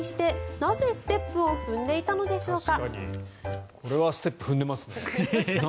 なぜ、ステップを踏んでいたのでしょうか。